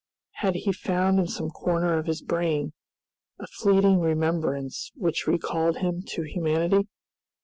Had he found in some corner of his brain a fleeting remembrance which recalled him to humanity?